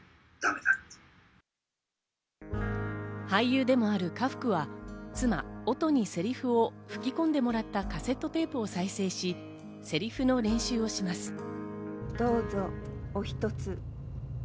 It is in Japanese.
俳優でもある家福は、妻を音にせりふを吹き込んでもらったカセットテープを再生し、せりふの練習をします。